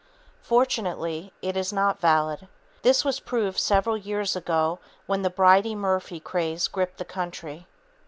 Fortunately, it is not valid. This was proved several years ago when the "Bridey Murphy" craze gripped the country.